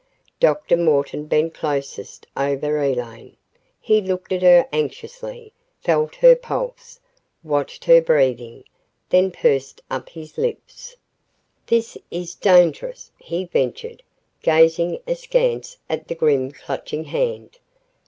Dr. Morton bent closest over Elaine. He looked at her anxiously, felt her pulse, watched her breathing, then pursed up his lips. "This is dangerous," he ventured, gazing askance at the grim Clutching Hand.